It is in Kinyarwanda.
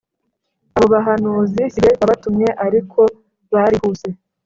Abo bahanuzi si jye wabatumye ariko barihuse